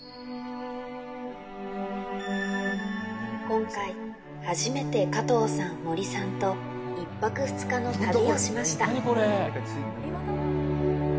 今回、初めて加藤さん森さんと１泊２日の旅をしました。